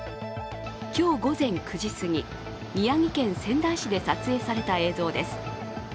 今日午前９時すぎ、宮城県仙台市で撮影された映像です。